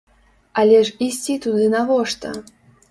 Але ж ісці туды навошта?